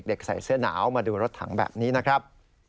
ใส่เสื้อหนาวมาดูรถถังแบบนี้นะครับ